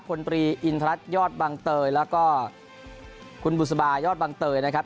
พลตรีอินทรัศนยอดบังเตยแล้วก็คุณบุษบายอดบังเตยนะครับ